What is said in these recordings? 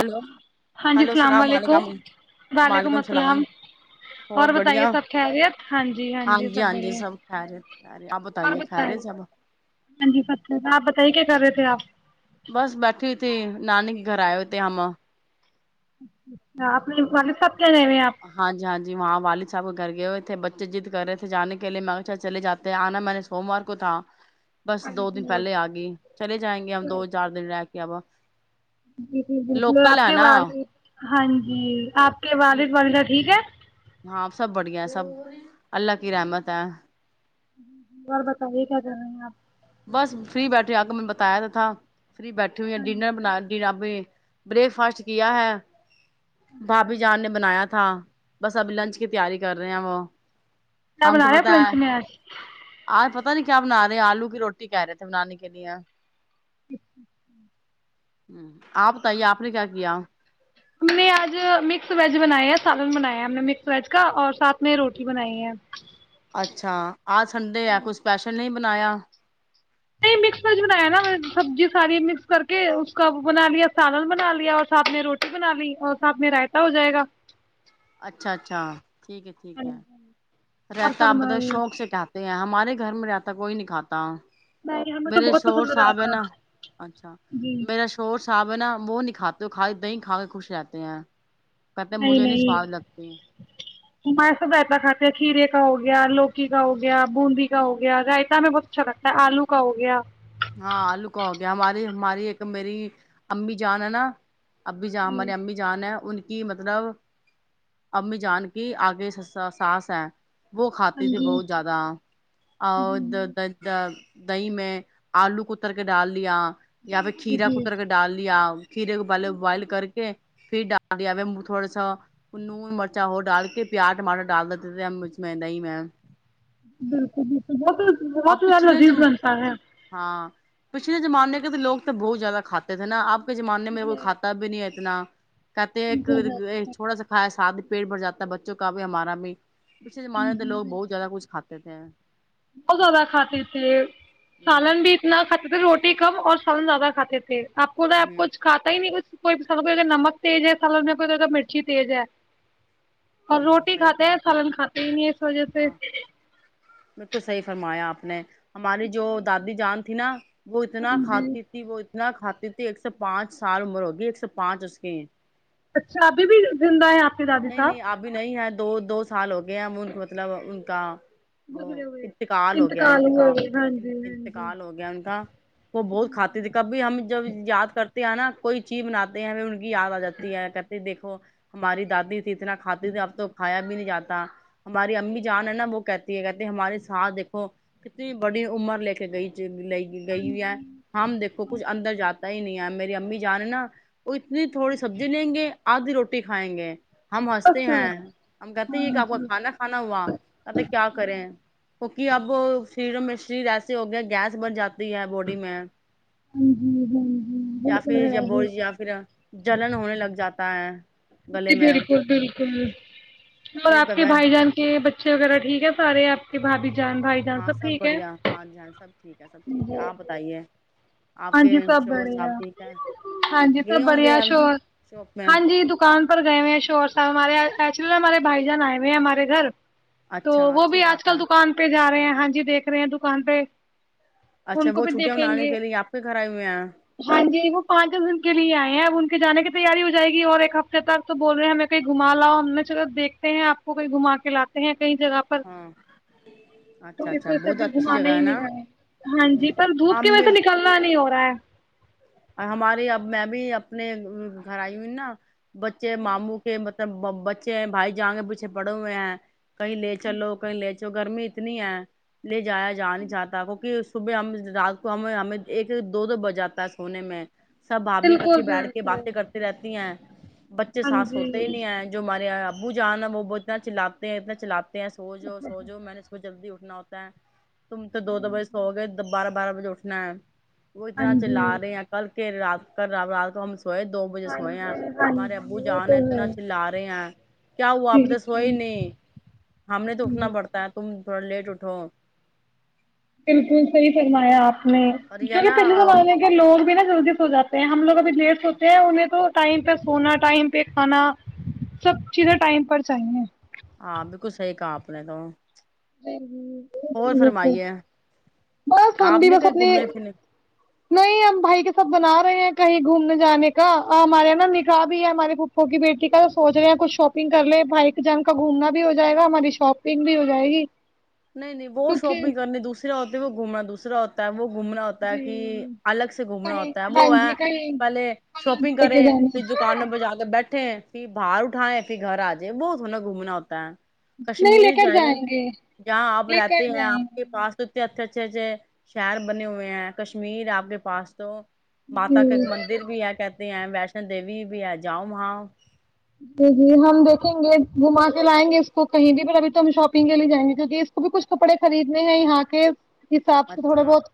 Hello ہاں جی hello اللام السلام علیکم ولیکم وعلیکم السلام اور بہت بتائیے بڑھیا سب خریت ہاں جی ہاں جی سب بڑ خیریت خیریت آپ اور بتائیے بت ہ خیریت سب جی س آپ بتے کیا کر رہے تھ خر آف بس بیٹھی ہو تھی نانی کے گھر آئے ہو تھے ہم ہم چ اچھا اپنےو لد س ہاں جی ہاں جی ماں والد صحب کر گئے ہوئے تھے بچے جضد کرے تھے جانے کے لیے میں اچ چے جاتے ہیں آنا میں نے سوموار کو تھا بس دو دن پہلے آ گئی چلے جائیں گے ہم ہم دو چار دن رہ کے آبا جی جی جال آپ کے نا وال ہاں جی آپ بع ب [unintelligible] ٹھیک ہے ہاں سب بڑھیا ہے سب اللہ کی رحمت ہے بار بتائیے کیا کر رہے ہیں آپ بس فری بیٹھ رہ آ کے میں بتایا تو تھا فری بیٹھی ہوئی ہیں ہاں جی، ڈنر بنا بریک فاسٹ کیا ہے بھابھی جان نے بنایا تھا بس اب لنچ کی تیاری کر رہے ہیں وہ کیا ہم بنا تو رہے ہیں ان پتا لنچ ہے میں اج آج پتا نہیں کیا بنا رہے آلو کی روٹی رٹی کہہ رہے تھے بنانے کے لیے [unintelligible] ہ آپ بتائیے آپ نے کیا کیا ہم نے آج مکس ویج بنایا ہے سالن بنایا ہے ہم نے مکس ویج کا اور ساتھ میں روٹی بنائی ہے اچھا اج سنڈے ہے کچھ سپیشل نہیں بنایا نہیں مکس ویج بنایا نا سبزی ساری مکس کر کے اس کا بنا لیا سالن بنا لیا اور ساتھ میں روٹی بنا لی اور ساتھ میں رائتا ہو جائے گا اچھا اچھا ٹھیک ہے ٹھیک ہے اور رائتہ آپ بط فرمائی شوق سے کہتا ہمارے گھر میں رہتا کوئی نہیں کاتا نہیں ہمیں تو میرے بہت شور پسند صاحب ہے رہتا نا اچھا جی میرا شور صاحب ہے نا بت نک کھاتے ہو کھ دی کھا کے خوش رہتے ہیں کہتے ہیں نہیں مجھے سواد نہیں لگتی ہم س بتا کھاتے ہیں کھیر ایک کا ہو گیا لوکی کا ہو گیا بوندی کا ہو گیا رائتا میں بہت اچھا لگتا ہے آلو کا ہو گیا کیا ہماری ہماری ایک میری امی جان ہے نا اممی جان جی ہمارے امی جانا ہے ان کی کی مطلب امی جان کی آگے ساس ہے وہ ہاں کھاتے تھے جی بہت زیادہ اورد دہی میں آلو کتر کے ڈال لیا یا پہ جی جی کھیرا جی کتر کے ڈال لیا کھیرے کو بوائل کر کے پھر ڈال دیا تھوڑا سا نون مرچا ہو ڈال کے پیاز ٹماٹر ڈال دیتے تھ مرچ میںا ہی میں بالکل بالکل جی بہت اب زیادہ پچھلے لذیذ ج بنتا ہے ہاں پچھلے زمانے کے تو لوگ تو بہت زیادہ کھاتے تھے نا اب کے زمانے میںیرے کوئی کاتا بھی نہیں ہے اتنا کہتے ایک ہے چھوٹا سا کایا ساد پیٹ بھر جاتا ہے بچوں کا بھی ہمارا بھی پچھلےمانے لوگ بہت زیادہ کچھات ہیں کیا [unintelligible] بہت زیادہ کھاتے تھے ہ سالن بھی اتنا توھر روٹی کم اور سالن زیادہ کھاتے تھے آپ کو تو آپ ہ کچھ کھا ہی نہیں کچھ کوئی سال کوئیا نمک تز ہے سالن میں کوئی زیادہ مرچی تیز ہے اور ہ روٹی صحیح کھاتے کہا ہیں آپ نے سالن کھاتے ہی نہیں اس وجہ سے ہاں بالکل صحیح فرمایا آپ نے ہماری جو دادی جان تھی نا وہ اتنا ہاں جی کھاتی تھی وہ اتنا کھات تھی ایک سو پانچ سال عمر ہوگی ایک سو پانچ اس کی اچھا ابھی بھی زند ہے آپ کے دادی نہیں نہیں صاحب ابھی نہیں ہے دو دو سال ہو گئے ہم ان کو مطلب ان کا وہ گزرے ہوئے انتقال ہو گیا ہوئے انتقال ہوئے ہاں جی ہاں جی انتقال ہو گیا ان کا وہ بہت کھاتی تھی کبھی ہم جب یاد کرتے نا کوئی چیز بناتے ہیں ہمیں ان کی یاد آ جاتی ہے کہتے دیکھو ہماری جاتی تھی اتنا کھاتی تھی اب تو کھایا بھی نہیں جاتا ہماری امی جان ہے نا وہ کہتی ہے کہتی ہماری ساس دیکھو کتنی بڑی عمر لے کے گئی ل گئی ہوئی ہے ہم دیکھو کچھ اندر جاتے پتا ہی نہیں ہے میری امی جان ہے نا وہ اتنی تھوڑی سبزی لیں گے آدھی روٹی کھائیں گے ہم ہنستے بس ہیں ہاں ہم کہتے ہیں کہ آپ کو جی کھانا کھانا ہوا ابھی کیا کریں کہ اب شریروں میں شریر ایسے ہو گیا گیس بن جاتی ہے باڈی میں یا پھر جب [inaudible] ہاں گلے میں بک بالکل اور پھر آپ کے بابا بھائی جان کے بچے وغیرہ ٹھیک ہے سارے آپ آپ کے بھابھی جان بھائی جان ہاں سب ٹھیک ہے بڑھیا ہاں جان ہاں سب ٹھیک ہے سب ٹھیک ہے آپ بتائیے آپ ہاں جی کے سب شوہر بڑھیا صاحب ٹھیک ہے ہاں جی سب گئے ہوں گے بڑھیا اب شوہر شاپ میں ہاں جی دکان پر گئے ہوئے شوہر صاحب ایکچلی ہمارے بھائی جان آئے ہوئے ہیں ہمارے گھر تو اچھا وہ اچھی بھی آج بات ہے کل دکان پہ جا رہے ہیں ہاں جی دیکھ رہے ہیں دکان پے اچھا وہ چھوٹٹیںاں منانے کے لیے آپ کے گھر آئے ہوئے ہیں ہاں جی وہ پانچ دن کے لیے آئے ہیں اب ان کے جانے کی تیاری ہو جائے گی اور ایک ہفتے تک تو بول رہے ہیں ہمیں کہیں گھماؤ ہم چل دیکھتے ہیں آپ کو کہیں گھماں کے لاتے ہیں کی جگہ پر ہاں تو اچھا اس اچھا بہت اب اچھی گھمانا جگہ ہی ہے ن نا جے ہاں جی پر دھوپ کی ہم وج سے نکال نہیں ہو رہا ہے اور ہماریے اب میں بھی اپنے گھر آئی ہووئی ہو نا بچے ماموں کے۔ بچے بھائی جان کے پیچھے پڑھے ہوئے ہیں کہیں لے چلو کہیں لے گرمی اتنی ہے لے جایا جا نہیں چاہتا کیکہ صبح ہم رات کو ہم ہمیں ایک دو دو بج جاتا ہے سونے میں سب بھابی بالکل اکٹھے بیٹھ کے بالکل باتیں کرتی رہتی ہیں بچے ہاں ستھ سوتے ہو ہی جی نہیں ہیں جو ہمارے ابو جان نہ وہ بہت نہ چلاتے ہیں اتنا چلاتے ہیں سو جاؤ سو جاؤ میں نے صوبہ جلدی اٹھنا ہوتا ہے تم تو دو دو بجے سو گئے بارہ بارہ بجے اٹھنا ہے وہ ہاں اتنا چلا جی کل کے رات کر رات کو ہم سوئے دو بجے ہاں سوئے ہیں جی ہاں ہمارے ابو جی وہ جان تو ہے اتنا چلا رہے ہیں کیا ہو جی آپتے سوئے جی نہیں ہم نے تو اٹنا جی پڑتا ہے تم تھوڑا لیٹ اٹھو بالکل صحیح فرمایا آپ نے اور نے یہ کیونکہ نا پچھلے زمانے کے لوگ بھی نہ جلدی سو جاتے ہیں ہم لوگ ابھی لیٹ ہوتے ہیں انہیں تو ٹائم پہ سونا ٹائم پہ کھانا سب چیزیں ٹائم پر چاہیے ہاں بلکل صحیح کا اپنے تو اور فرمائیے بس ہم آپ بھی نہیں بس کہیں اپنے گھومنے پھرنے نہیں ہم بھائی کے ساتھ بنا کہیں گھومنے جانے کا ہمارے نا نکاح بھی ہے ہمارے پپو کی بیٹی کا تو سوچ رہے ہیں کچھ شاپنگ کر لے بھائی جان کا گھومنا بھی ہو جائے گا ہماری شاپنگ بھی ہو جائے گی نہیں نہیں وہ کیونکہ شاپنگ کرنی دوسر ہوتے وہ گھومنا دوسرا ہوتا [unintelligible] گھومنا ہوتا ہے کہ جی الگ سے گھومنا کہیں ہوتا ہے وہ ہاں ہے جی کہیں پہلے شاپنگ لے کے کریں جانا پھر دکانوں پے جا کے بیٹھے ٹھیک ہے کہیں باہر اٹھائے پھر گھر آ جائےوہ تھوڑی نہ گھومنا ہوتا ہے نہیں لے کر جائیں گے جہاں آپ لے رہتے کر ہیں جائیں آپ کے گے پاس اچھے اچھے اچھے شہر بنے ہوئے ہیں کشمیر آپ کے پاس تو ماتا کا ایک جی مندر بھی ہے کہتے ویشنو دیوی بھی ہے جاؤ وہاں جی جی ہم دیکھیں گے گوما کے لائیں گے اس کو کہیں بھی پر ابھی تو ہم شاپنگ کے لیے جائیں گے کیکہ اس کو بھی کچھ کپڑے خریدنے ہیں یہاں آ کے حساب سے تھوڑا اچھا بہت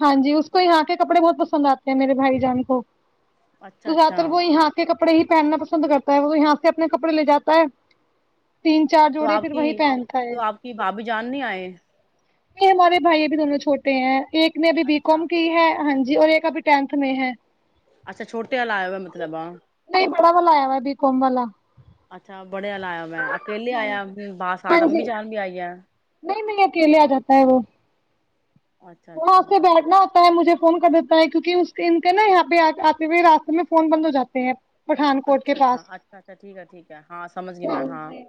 ہاں جی اس کو یہاں کے کپڑے بہت پسند آتے ہیں میرے بھائی جان کو اچھا تو زیادہ اچھا تر وہ یہاں آ کے کپڑے ہی پہنا پسند کرتے وہ تو یہاں سے اپنے کپڑے لے جاتا ہے تین چار تو جوڑے آپ پھر کی وہی پہنتا ہے تو آپ کی بھابھی جان نہیں آئے یہ ہمارے بھائی یہ بھی دونوں چھوٹے ہیں ایک نے بھی بی اچھا کوم کی ہے ہاں ج جی اور ایک ابھی ٹینتھ میں ہے اچھا چھوٹے وال لاا مطلب ہاں ہاں اچھا بڑیا لایا میں اکیلے آیا باسات اممی چان بھی آئی ہے نہیں نہیں اچھا تھڑا اچھا سے اچھا بیٹھنا ہوتا ہے مجھے فون کر دیتا ہے کیونکہ اس ان کے نا یہاں پہ آتے ہوئے راتے میں فون بند ہو جاتے ہیں پٹھان کوٹ کے اچھا پاس اچھا اچھا ٹھیک ہے ٹھیک ہے ہاں سمجھ گئی ج میں ہاں پ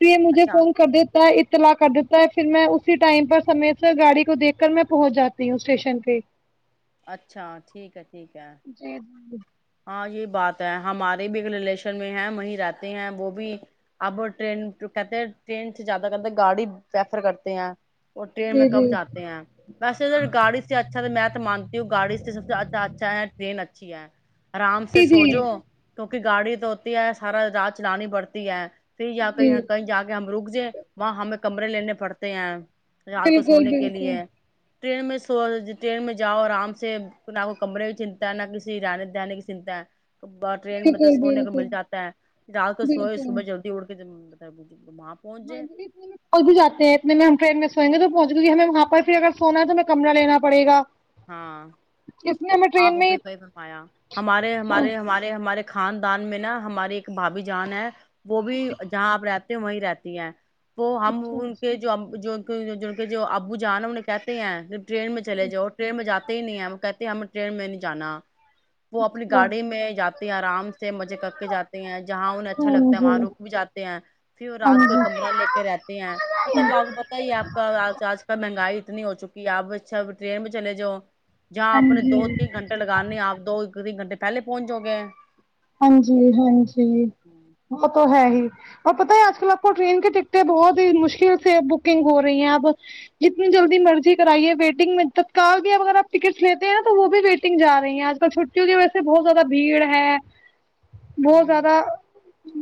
یہ مجھے اچھا فون کر دیتا ہے اطلاع کر دیتا ہے پھر میں ٹائم پر سے سے گاڑی کو دیکھ کل میں پہنچ جاتی ہوں اسٹیشن پہ اچھا ٹھیک ہے ٹھیک ہے ہاں یہ بات ہے ہمارے بھی ایک ریلیشن میں ہے وہیں رہتے ہیں وہ بھی اب ٹرین کہتے ٹرین سے زیادہ کہتے گاڑی پریفر کرتے ہیں اور ٹرین میں جی کب جی جات ہیں ویسے ا گاڑی سے اچھا تو میں تو مانتی ہوں گاڑی سے سب سے اچھا اچھا ہے ٹرین ا چیا آرام سے جی جی سوجو کیونکہ گاڑی تو ہوتی ہے سارا رات چلانی پڑتی ہے پھر یا کہ جی کہیں جا کے ہم رک جیں وہاں ہمیں کمرے لینے پڑتے ہیں رات کو بالکل سونے کے بالکل لیے ٹرین میں سو ٹرین میں جاؤ آرام سے نہ کو کمرے کی چنتا ہے نہ کسی د کی چنتا تو ٹرین میںطلب سونے کو مل جاتا ہے رات کو سوئے صبح جلدی اٹ کے [inaudible] س [inaudible] م اتنے میں کل بھی جاتے ہیں اتنے میں ہم ٹرین میں سوئ گے تو پہنچ ک ہمیں وہاں پر پھر اگر سونا ہے تو ہمیں کمر لینا پڑےا ہاں آپ وہ میں ہی بھی پایا ہمارے ہمارے ہمارے ہمارے خاندان میں نا ہماری ایک بھابھی جان ہے وہ بھی جہاں آپ رہ وہیں رہتی ہیں وہ ہم اچھا ان کے جو جو ج کے جو آبو جانا انہیں کہتے ہیں ٹرین میں چلے جؤ جاتے ہی نہیں ہے وہ کہتے ہم ٹرین میں نہیں جانا وہ اپنی اچھا گاڑی میں جاتے ہیں آرام سے مزے کر کے جاتے ہیں جہاں انہیں اچھا لگتا ہے وہاں رک بھی جاتے ہیں پھر اچھا ہاں رات کو جی کمرہ لے کے رہتے ہیں ہاں جی مطلب آ پت ہی ہے آپ کا آج کل مہنگائی نہیں ہو چکی اپ اب ٹرین میں چل جو جہاں آپ نے دو تین گھنٹے لگانے آپ دو ک د گنٹے پہلے پہنچ جؤ گے ہاں جی ہاں جی وہ تو ہے ہی اور پتہ ہے آج کل آپ کو ٹرین کی ٹکٹیں بہت ہی مشکل سے بکنگ ہو رہی ہیں اپ جتنی جلدی مرضی کرائیے ویٹنگ میں تتکال بھی اگر آپ ٹکٹ لیتے ہیں نا تو وہ بھی ویٹنگ جا رہی ہیں آج کل چھٹیوں کی وجہ سے بہت زیادہ بھیڑ ہے ہ بہت زیادہ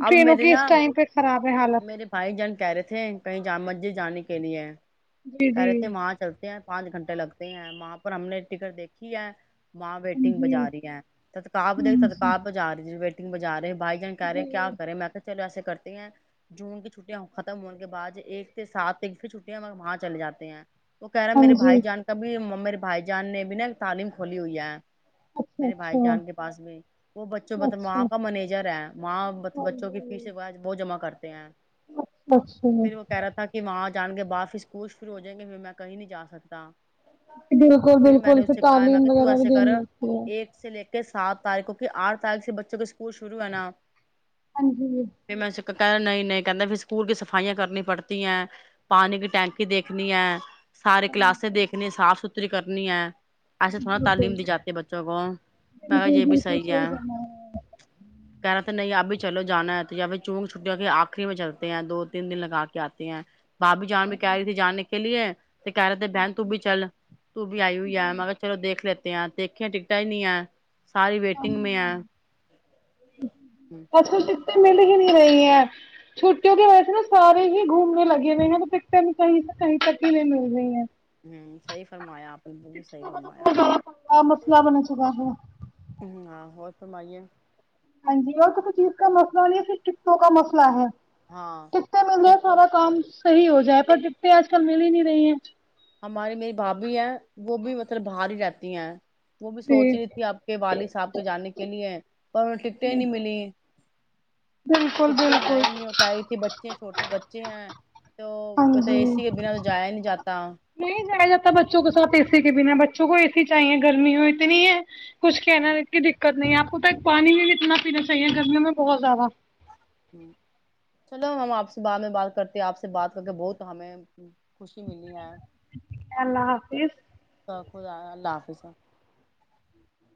اب ٹرینوں میرے کی نا اس ٹائم پہ خراب ہے حالت میرے بھائی جان کہہ رہے تھے کہیں جامع مسجد جانے کے لیے جی جی کررے ت ماں چلتی پانچ گھنٹے لگتے ہیں وہاں پر ہم نے ٹکٹ دیکھی ہے ماں ویٹنگ جی بجا رہی ہے تتکاہب د تتکاہ بجا رہی بجا رہے ہیں بھائی جان کہہ رہے کیا کرے میں کہ چلو ایسے کرتے ہیں جون کی چھٹیاں ختم ہونے کے بع ایک سے سات ت کی چھٹیاں ہم وہاں چل جاتے ہیں تو کہہ رہا ہے ہاں میرے جی بھائی جان کا بھی بھائی جان نے بھی نا تعلیم کھلی ہوئی ہے اچھا میرے بھائی اچھا جان کے پاس میں وہ بچوں مطلب وہ اچھا آپ میجر ہے وہاں بچوں کے پیچھے کرتے ہیں اچھا پھر وہ کہہ رہا تھا کہ وہاںج جان کے بعد اس کچھھر ہو جیں گے میں کہیں نہیں ج سکتا بالکل میں بالکل نے پھر اس سے کہا میں تعلیم کہ تو وغیرہ بھی ایسے کر دنے لگتی ہے ایک سے لے سات تاریخوں کی آھ تاریخ سے بچوں کے اسکول وہ شرو ہے ن ہاں جی کہ نہیں نہیں کہتےھر اسکول کی صفائیاں کرنی پڑتی ہیں پانی کی ٹینکی دیکھنی ہے سارے کلاسیں دیکنے صاف ستھر استری کرنی ہے ایسے تھوڑا تعلیم دی جاتی بچوں کو مگر یہ بھی صحیح ہے کہہ رہے تھے نہیں ابھی چلو جانا ہے تو یہبھی چونگ چھٹٹییاں کے آخری میں چلتے ہیں دو تین دن لگا کے آتے ہیں بابھی جان میں کہہ آ رہی تھی جاننے کے لیے تو کہہ رہے تھے بہن ت بھی چل ت بھی آئی ہوئی مگر چلو دیکھ لیتے آ تیکھیں ٹکٹا ہی نہیں آ ساری ویٹنگ میں ہے ہوں کچ ک سے یں مل ہی نہیں رہی ہیں چھٹیوں کی وجہ سے نہا سارے ہی گھومنے لگے ہوئے ہیں تو ٹکٹیں بھی کہیں سے کہیں تک ہی نہیں مل رہی ہیں ہوں صحی فرمایا آپ بو صحی تو فرمایا بہت زیادہ مسئلہ بن چکا ہے آ رمائیے ہاں جی اور تو کھیز کا مسئلہ نہیں ہے پ کٹوں کا مسئلہ ہے ہاں کتنے مل گیا ایک تو سارا کام صحی ہو جائے پر ڈبے آج کل مل ہی نہیں رہی ہیں ہماری میری بھابھی ہیں وہ بھی مطلب باہر ہی رہتی ہیں وہ بھی سوچ جی رہی تھی آپ کے والد صاحب کے جانے کے لیے پر انہیں ٹکٹیں جی نہیں ملی بالکل کتے آ بالکل ہی نہیں ہو پ رہی تھی بچے چھوٹے بچے ہیں تو ہاں ا جی اے سی کے بنا تو جایا ہی نہیں جاتا نہیں جایا جاتا بچوں کے سھ اے سی کے بنا بچوں کو اے سی چاہیے گرمی ہو اتنی ہے کچھ کہنا ہے ات کی دقت نہیں آپ آپ کو ت پانی میں کتنا پینا چاہیے گرمیوں میں بہت زیادہ ہ چلو ہم آپ سے بعد میں بات کرتے آپ سے بات کر کے بہت ہمیں خوشی ملی ہے ہے اللہ حافظ خدا اللہ حافظ